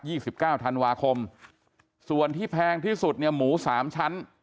สิบเก้าธันวาคมส่วนที่แพงที่สุดเนี่ยหมูสามชั้น